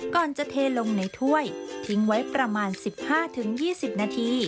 ก่อนจะเทลงในถ้วยทิ้งไว้ประมาณ๑๕๒๐นาที